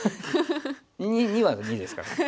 ２２は２ですからね。